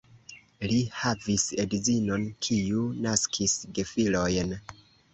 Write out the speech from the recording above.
Li havis edzinon, kiu naskis gefilojn.